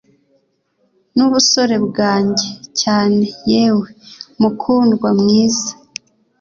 Nubusore bwanjye cyane yewe mukundwa mwiza